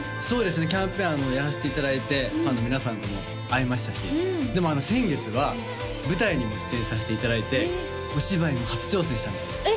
そうですねキャンペーンやらせていただいてファンの皆さんとも会えましたしでも先月は舞台にも出演させていただいてお芝居にも初挑戦したんですよ